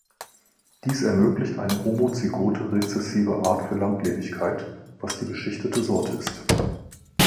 Dies ermöglicht eine homozygote rezessive Art für Langlebigkeit, was die beschichtete Sorte ist.